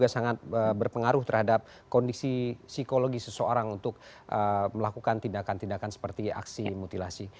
sangat berpengaruh terhadap kondisi psikologi seseorang untuk melakukan tindakan tindakan seperti aksi mutilasi